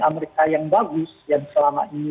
amerika yang bagus yang selama ini